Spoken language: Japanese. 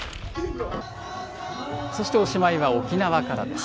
そしておしまいは沖縄からです。